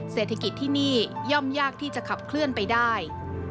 เศรษฐกิจที่นี่ย่อมยากที่จะขับเคลื่อนไปได้